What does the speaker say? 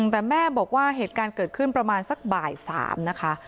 แต่แม่บอกว่าเหตุการณ์เกิดขึ้นประมาณสักบ่าย๓นะคะ